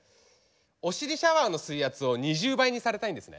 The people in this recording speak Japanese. お尻シャワーの水圧を２０倍にされたいんですね？